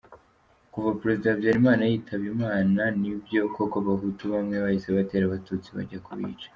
Kuva President Habyarimana yitaba Imana, nibyo koko abahutu bamwe bahise batera abatutsi, bajya kubica.